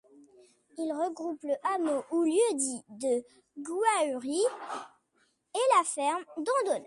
Il regroupe le hameau ou lieu-dit de Goiuri et la ferme d'Ondona.